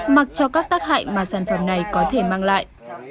mặc cho các tác hại mà sản phẩm này có thể mang lại